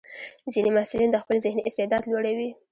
ځینې محصلین د خپل ذهني استعداد لوړوي.